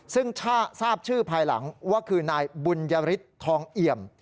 ซึ่งทราบชื่อภายหลังว่าคือนายบุญยฤทธิ์ทองเอี่ยม